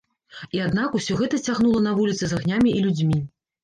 І, аднак, усё гэта цягнула на вуліцы з агнямі і людзьмі.